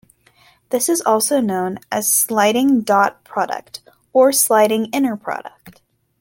This is also known as a "sliding dot product" or "sliding inner-product".